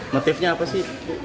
motifnya apa sih